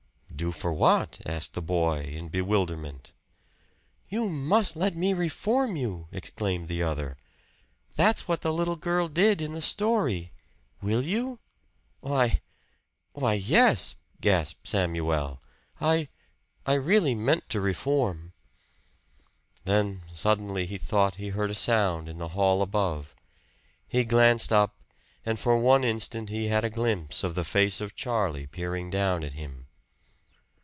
"Do for what?" asked the boy in bewilderment. "You must let me reform you," exclaimed the other. "That's what the little girl did in the story. Will you?" "Why why, yes" gasped Samuel. "I I really meant to reform." Then suddenly he thought he heard a sound in the hall above. He glanced up, and for one instant he had a glimpse of the face of Charlie peering down at him.